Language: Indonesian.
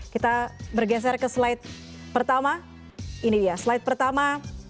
kita bergeser ke slide pertama ini dia slide pertama